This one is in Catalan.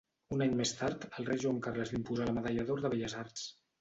Un any més tard, el rei Joan Carles l'imposà la medalla d'or de Belles Arts.